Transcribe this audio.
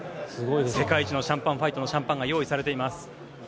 世界一のシャンパンファイトのシャンパンが用意されています。